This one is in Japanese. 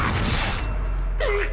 うっ！